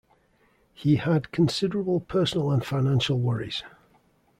He had considerable personal and financial worries.